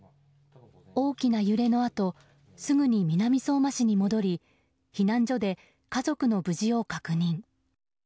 大きな揺れのあとすぐに南相馬市に戻り避難所で家族の無事を確認。